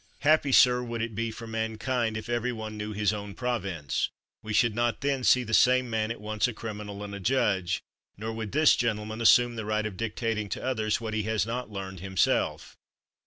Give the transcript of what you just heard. Happy, sir, would it be for mankind if everyone knew his own province; we should not then see the same man at once a criminal and 196 CHATHAM a judge, nor would this gentleman assume the right of dictating to others what he has not learned himself.